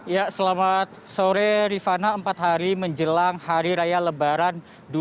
ya selamat sore rifana empat hari menjelang hari raya lebaran dua ribu dua puluh